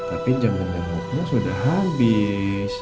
tapi jam gendam mu sudah habis